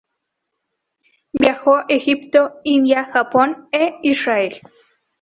Viajó a Egipto, India, Japón e Israel.